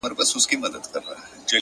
o د غيږي د خوشبو وږم له مياشتو حيسيږي؛